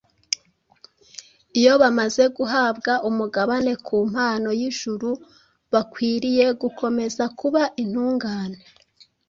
Iyo bamaze guhabwa umugabane ku mpano y’ijuru, bakwiriye gukomeza kuba intungane,